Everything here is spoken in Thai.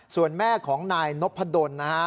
ส่วนแม่ของนายนพดลนะฮะ